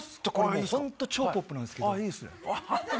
本当超ポップなんですけど。